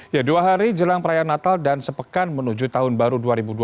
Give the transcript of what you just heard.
ya dua hari jelang perayaan natal dan sepekan menuju tahun baru dua ribu dua puluh